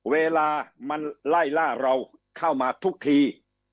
เวลามันไล่ล่าเราเข้ามาทุกที